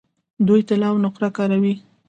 دوی طلا او نقره کاروي.